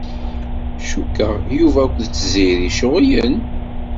Cukkeɣ Yuba akked Tiziri ceɣlen.